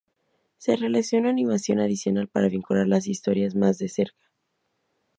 Se realizó una animación adicional para vincular las historias más de cerca.